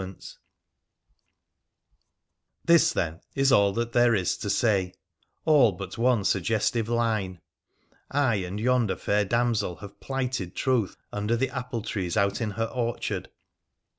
PHRA THE PIKEKICIAN 343 This, then, is all that there is to say, all but one suggestive line. I and yonder fair damsel have plighted troth under the apple trees out in her orchard